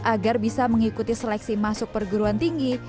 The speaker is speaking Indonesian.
agar bisa mengikuti seleksi masuk perguruan tinggi